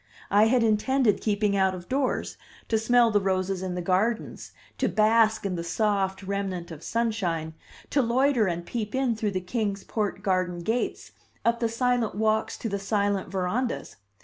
I had intended keeping out of doors, to smell the roses in the gardens, to bask in the soft remnant of sunshine, to loiter and peep in through the Kings Port garden gates, up the silent walks to the silent verandas.